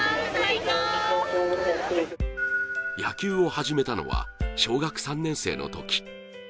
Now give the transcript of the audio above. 野球を始めたのは小学３年生のとき。